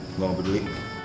gue enggak peduli